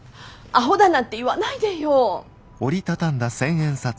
アホだなんて言わないでよ。